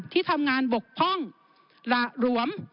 ที่ทำงานบกพร่องหละหลวม